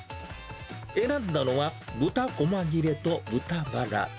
選んだのは、豚こま切れと豚ばら。